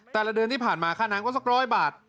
แต่ละเดือนที่ผ่านมาค่าน้ำก็สัก๑๐๐บาท